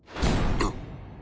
あっ！